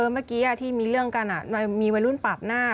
เมื่อกี้ที่มีเรื่องกันมีวัยรุ่นปาดหน้า